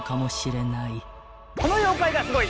この妖怪がすごい！